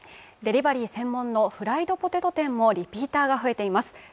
デリバリー専門のフライドポテト店もリピーターが増えています。